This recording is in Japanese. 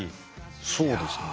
そうですね。